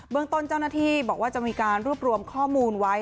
ต้นเจ้าหน้าที่บอกว่าจะมีการรวบรวมข้อมูลไว้